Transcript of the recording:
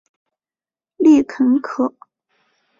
丽肯可